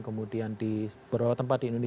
kemudian di beberapa tempat di indonesia